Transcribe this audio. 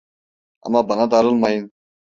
Ama bana darılmayın…